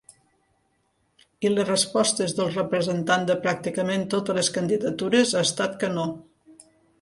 I les respostes dels representant de pràcticament totes les candidatures ha estat que no.